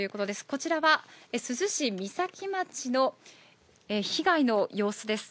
こちらは珠洲市三崎町の被害の様子です。